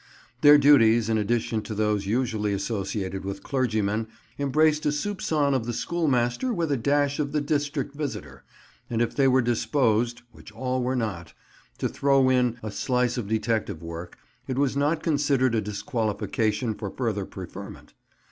Their duties, in addition to those usually associated with clergymen, embraced a soupçon of the schoolmaster with a dash of the district visitor, and if they were disposed (which all were not) to throw in a slice of detective work, it was not considered a disqualification for further preferment.